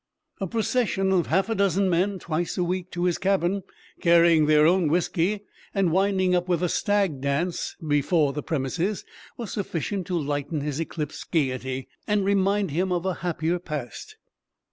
A procession of half a dozen men twice a week to his cabin, carrying their own whiskey and winding up with a "stag dance" before the premises, was sufficient to lighten his eclipsed gayety and remind him of a happier past.